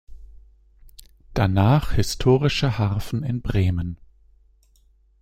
Danach historische Harfen in Bremen.